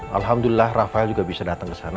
alhamdulillah rafael juga bisa datang ke sana